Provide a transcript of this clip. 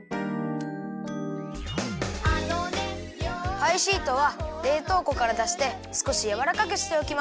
パイシートはれいとうこからだしてすこしやわらかくしておきます。